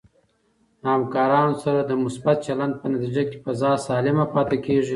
د همکارانو سره د مثبت چلند په نتیجه کې فضا سالمه پاتې کېږي.